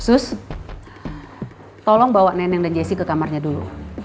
sus tolong bawa neneng dan jessy ke kamarnya dulu